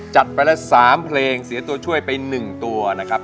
จัดไปละ๓เพลงเสียตัวช่วยไป๑ตัวนะครับ